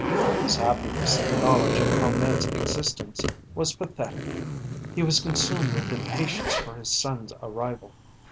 His happiness in the knowledge of Ahmed's existence was pathetic, he was consumed with impatience for his son's arrival.